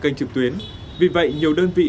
kênh trực tuyến vì vậy nhiều đơn vị